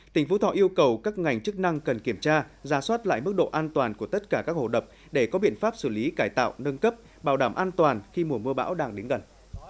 tỉnh phú thọ yêu cầu các ngành chức năng cần kiểm tra ra soát lại mức độ an toàn của tất cả các hồ đập để có biện pháp xử lý cải tạo nâng cấp bảo đảm an toàn khi mùa mưa bão đang đến gần